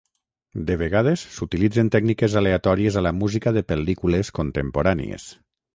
De vegades s'utilitzen tècniques aleatòries a la música de pel·lícules contemporànies.